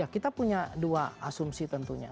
kita punya dua asumsi tentunya